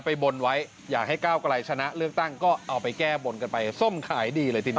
บนไว้อยากให้ก้าวไกลชนะเลือกตั้งก็เอาไปแก้บนกันไปส้มขายดีเลยทีเดียว